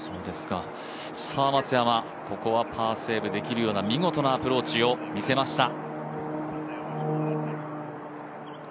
松山、ここはパーセーブできるような見事なアプローチを見せました。